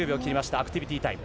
アクティビティタイム。